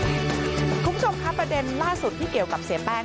คุณผู้ชมคะประเด็นล่าสุดที่เกี่ยวกับเสียแป้ง